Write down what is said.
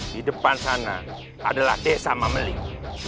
di depan sana adalah desa mameling